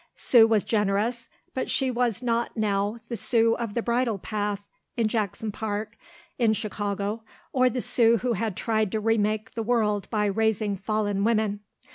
Sue was generous, but she was not now the Sue of the bridle path in Jackson Park in Chicago or the Sue who had tried to remake the world by raising fallen women.